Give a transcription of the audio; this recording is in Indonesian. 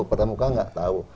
pertamuka nggak tahu